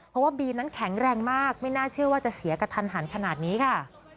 เพราะว่าบีมนั้นแข็งแรงมากไม่น่าเชื่อว่าจะเสียกระทันหันขนาดนี้ค่ะ